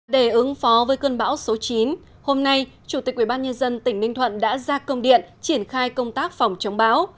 để ứng phó với cơn bão số chín hôm nay chủ tịch ubnd tỉnh ninh thuận đã ra công điện triển khai công tác phòng chống bão